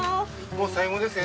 もう最後ですね